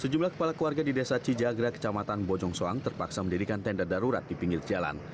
sejumlah kepala keluarga di desa cijagra kecamatan bojong soang terpaksa mendirikan tenda darurat di pinggir jalan